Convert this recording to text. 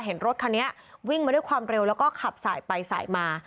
เห็นรถคันนี้วิ่งมาด้วยความเร็วแล้วก็ขับสายไปสายมา